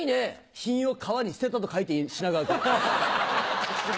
「品を川に捨てた」と書いて品川区。